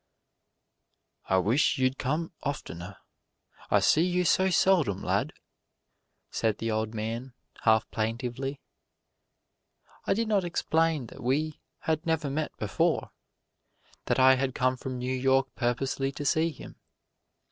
"I wish you'd come oftener I see you so seldom, lad," said the old man, half plaintively. I did not explain that we had never met before that I had come from New York purposely to see him.